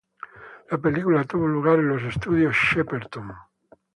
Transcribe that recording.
La película tuvo lugar en los Estudios Shepperton.